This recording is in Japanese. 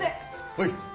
はい！